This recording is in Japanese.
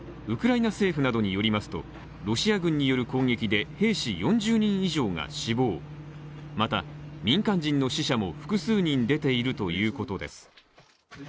ウクライナ政府などによりますとロシア軍による攻撃で兵士４０人以上が死亡、また民間人の死者も複数人出ているということです。